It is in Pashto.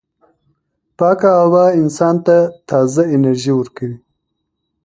پاکه هوا انسان ته تازه انرژي ورکوي.